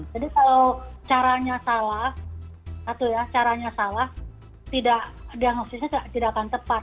jadi kalau caranya salah diagnosisnya tidak akan tepat